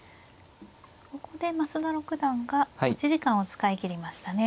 ここで増田六段が持ち時間を使い切りましたね。